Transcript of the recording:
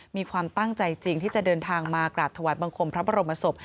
มีความตั้งใจจริงที่จะเดินทางมากราบถวายบังคมพระบรมศพ